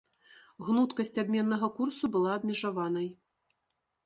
Гнуткасць абменнага курсу была абмежаванай.